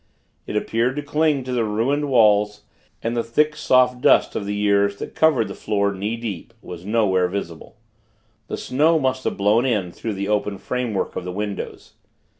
It appeared to cling to the ruined walls; and the thick, soft dust of the years, that covered the floor knee deep, was nowhere visible. The snow must have blown in through the open framework of the windows.